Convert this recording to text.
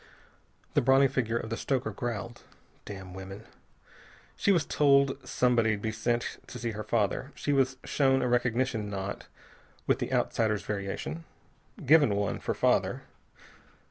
The brawny figure of the stoker growled. "Damn women! She was told somebody'd be sent to see her father. She was shown a recognition knot with the outsider's variation. Given one, for father.